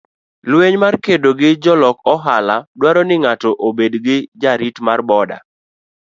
Lweny mar kedo gi jolok ohala dwaro ni ng'ato obed jarit mar boda.